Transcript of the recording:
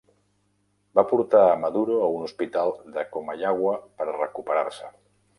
Van portar a Maduro a un hospital a Comayagua per a recuperar-se.